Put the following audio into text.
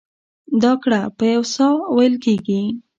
دا ګړه په یوه ساه وېل کېږي.